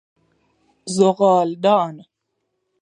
زغالدان